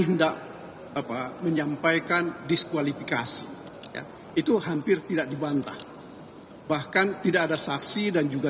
hendak apa menyampaikan diskualifikasi ya itu hampir tidak dibantah bahkan tidak ada saksi dan juga